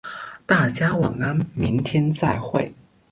大家晚安，明天再会。